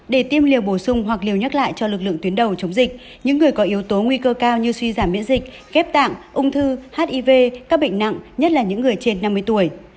để tiêm liều bổ sung hoặc liều nhắc lại cho lực lượng tuyến đầu chống dịch những người có yếu tố nguy cơ cao như suy giảm miễn dịch ghép tạng ung thư hiv các bệnh nặng nhất là những người trên năm mươi tuổi